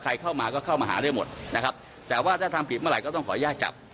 ใครเข้ามาก็เข้ามาหาได้หมดนะครับแต่ว่าถ้าทำผิดเมื่อไหก็ต้องขออนุญาตจับ